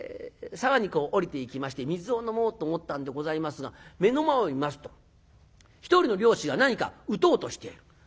沢に下りていきまして水を飲もうと思ったんでございますが目の前を見ますと１人の猟師が何か撃とうとしている。